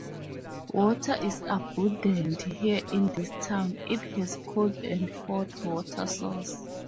Water is abundant here in this town, it has cold and hot water source.